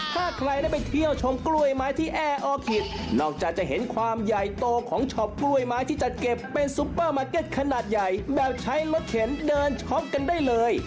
ถ้าใครได้ไปเที่ยวชมกล้วยไม้ที่แอร์อคิตนอกจากจะเห็นความใหญ่โตของช็อปกล้วยไม้ที่จัดเก็บเป็นซุปเปอร์มาร์เก็ตขนาดใหญ่แบบใช้รถเข็นเดินช็อปกันได้เลย